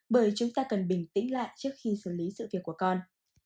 bởi chúng ta cần bình tĩnh lại trước khi xử lý sự việc của con